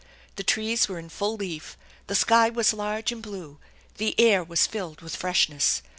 The trees were in full leaf; the sky was large and blue; the air was filled with freshness.